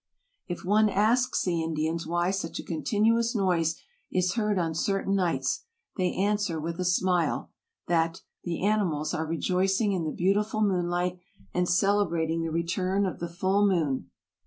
If one asks the Indians why such a continuous noise is heard on certain nights, they answer, with a smile, that "the animals are rejoicing in the beautiful moonlight, and celebrating the return of the full moon."